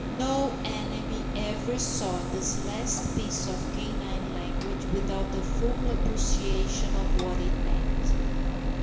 no enemy ever saw this last piece of canine language without a full appreciation of what it meant.